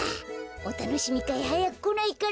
おたのしみかいはやくこないかな。